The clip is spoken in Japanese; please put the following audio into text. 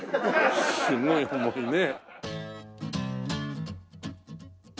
すごい重いね。